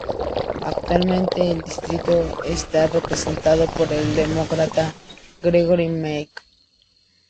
Actualmente el distrito está representado por el Demócrata Gregory Meeks.